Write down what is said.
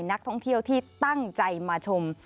นักท่องเที่ยวที่ตั้งใจมาชม